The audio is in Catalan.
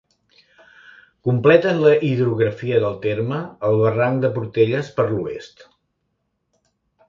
Completen la hidrografia del terme el barranc de Portelles per l'oest.